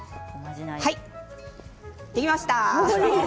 はい、できました。